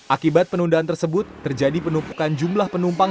akibat penundaan tersebut terjadi penumpukan jumlah penumpang